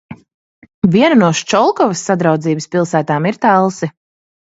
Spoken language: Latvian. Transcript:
Viena no Ščolkovas sadraudzības pilsētām ir Talsi.